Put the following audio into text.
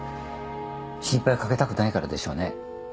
心配掛けたくないからでしょうね。